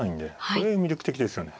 それが魅力的ですよね。